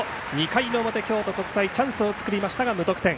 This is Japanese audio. ２回の表、京都国際はチャンスを作りましたが無得点。